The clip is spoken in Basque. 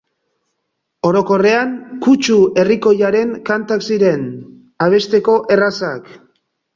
Orokorrean, kutsu herrikoiaren kantak ziren, abesteko errazak.